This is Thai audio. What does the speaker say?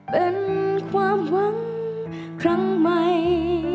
เป็นความหวังครั้งใหม่